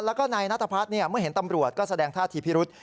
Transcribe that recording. แล้วก็นายนัทพัฒน์เมื่อเห็นตำรวจก็แสดงท่าทีพิรุษ